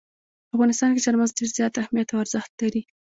په افغانستان کې چار مغز ډېر زیات اهمیت او ارزښت لري.